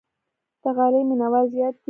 د غالۍ مینوال زیات دي.